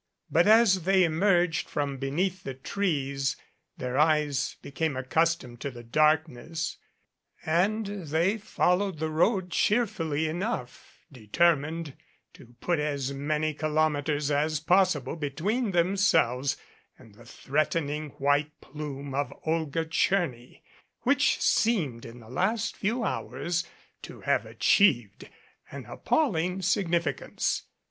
But as they emerged from beneath the trees their eyes became accus tomed to the darkness and they followed the road cheer 214 THE EMPTY HOUSE fully enough, determined to put as many kilometers as possible between themselves and the threatening white plume of Olga Tcherny which seemed in the last few hours to have achieved an appalling significance.